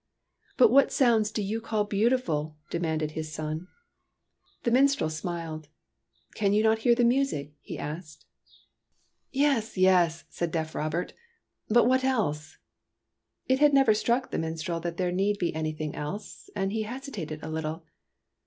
" But what sounds do you call beautiful ?" demanded his son. ii8 TEARS OF PRINCESS PRUNELLA The minstrel smiled. "Can you not hear my music ?" he asked. "Yes, yes," said deaf Robert; "but what else?" It had never struck the minstrel that there need be anything else, and he hesitated a little.